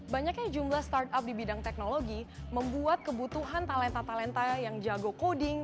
banyaknya jumlah startup di bidang teknologi membuat kebutuhan talenta talenta yang jago coding